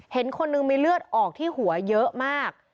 คนนึงมีเลือดออกที่หัวเยอะมาก